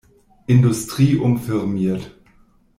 Industrie umfirmiert.